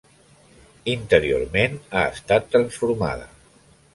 Interiorment ha estat transformada.